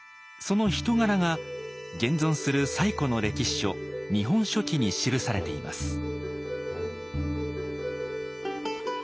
その人柄が現存する最古の歴史書「日本書紀」に記されています。